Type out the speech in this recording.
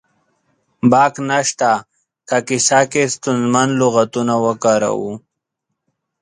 باک نه شته که کیسه کې ستونزمن لغاتونه وکاروو